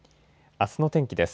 あすの天気です。